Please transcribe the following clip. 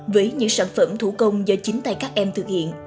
với những sản phẩm thủ công do chính tay các em thực hiện